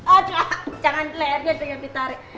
aduh jangan ke layar dia pengen ditarik